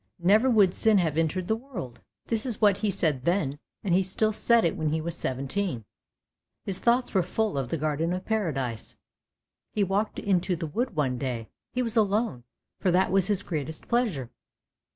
never would sin have entered the world! " This is what he said then, and he still said it when he was seventeen; his thoughts were full of the Garden of Paradise. He walked into the wood one day; he was alone, for that was his greatest pleasure.